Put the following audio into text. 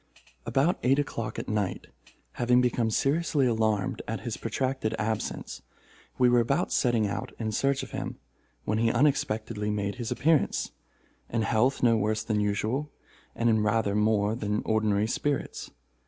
About eight o'clock at night, having become seriously alarmed at his protracted absence, we were about setting out in search of him, when he unexpectedly made his appearance, in health no worse than usual, and in rather more than ordinary spirits.